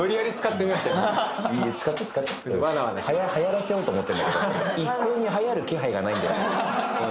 はやらせようと思ってんだけど一向にはやる気配がないんだよね。